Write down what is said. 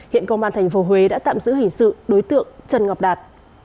hiện công an tp huế đã tạm giữ hình sự đối tượng trần ngọc đạt